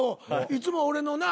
いつも俺のな